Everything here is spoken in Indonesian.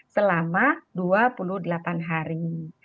selama dua puluh delapan hari